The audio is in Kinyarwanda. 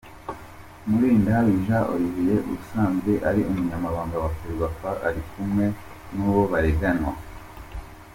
Mulindahabi Jean Olivier usanzwe ari umunyamabanga wa Ferwafa ari kumwe n’uwo bareganywa Eng.